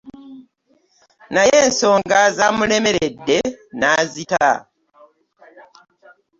Naye ensonga zaamulemeredde n'azita.